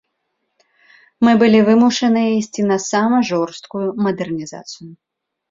Мы былі вымушаныя ісці на сама жорсткую мадэрнізацыю.